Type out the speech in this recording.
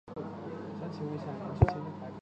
黄花红砂为柽柳科红砂属下的一个种。